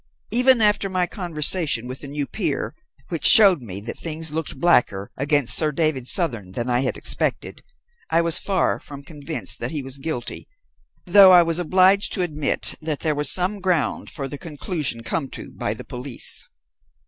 Even after my conversation with the new peer, which showed me that things looked blacker against Sir David Southern than I had expected, I was far from convinced that he was guilty, though I was obliged to admit that there was some ground for the conclusion come to by the police.